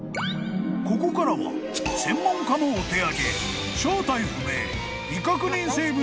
［ここからは専門家もお手上げ］